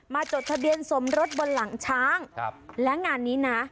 จดทะเบียนสมรสบนหลังช้างครับและงานนี้นะ